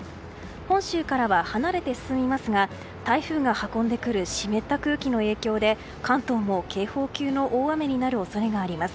本州からは離れて進みますが、台風が運んでくる湿った空気の影響で関東も警報級の大雨になる恐れがあります。